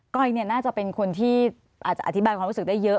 ้อยน่าจะเป็นคนที่อาจจะอธิบายความรู้สึกได้เยอะ